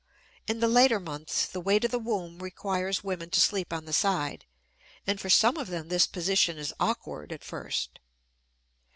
In the later months the weight of the womb requires women to sleep on the side, and for some of them this position is awkward at first.